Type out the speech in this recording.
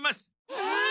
えっ？